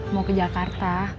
mau ke jakarta